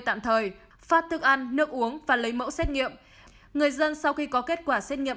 tạm thời phát thức ăn nước uống và lấy mẫu xét nghiệm người dân sau khi có kết quả xét nghiệm